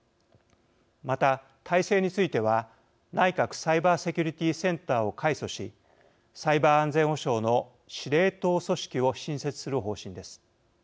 また体制については内閣サイバーセキュリティセンターを改組しサイバー安全保障の司令塔組織を新設する方針です。